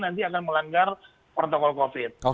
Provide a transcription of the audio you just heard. nanti akan melanggar protokol covid